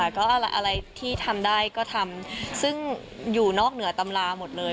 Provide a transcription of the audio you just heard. ก็อะไรที่ทำได้ก็ทำซึ่งอยู่นอกเหนือตำราหมดเลย